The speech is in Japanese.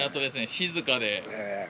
静かで。